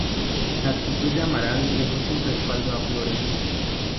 La actitud de Amaral dejó sin respaldo a Flores.